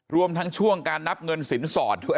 รวมทั้งช่วงการนับเงินสินสอดด้วย